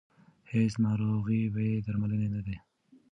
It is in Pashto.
هیڅ ناروغي بې درملنې نه ده.